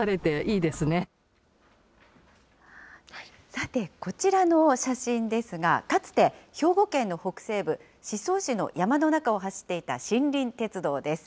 さて、こちらの写真ですが、かつて兵庫県の北西部、宍粟市の山の中を走っていた森林鉄道です。